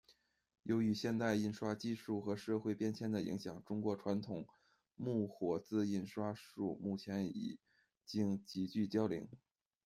由于现代印刷技术和社会变迁的影响，中国传统木活字印刷术目前已经急剧凋零。